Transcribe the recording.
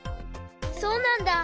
そうなんだ。